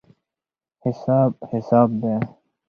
حساب حساب دی.